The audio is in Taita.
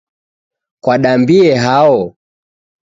Kwadambie hao?